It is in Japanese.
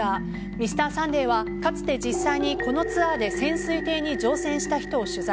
「Ｍｒ．サンデー」はかつて実際にこのツアーで潜水艇に乗船した人を取材。